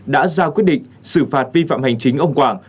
đã ra quyết định xử phạt vi phạm hành chính ông quảng